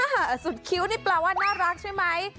สุดคิ้วนี่แปลว่าน่ารักใช่ไหม